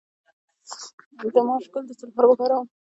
د ماش ګل د څه لپاره وکاروم؟